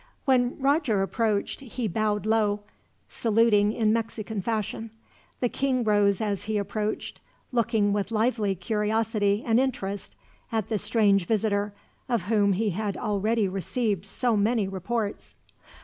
When Roger approached, he bowed low, saluting in Mexican fashion. The king rose as he approached, looking with lively curiosity and interest at the strange visitor, of whom he had already received so many reports.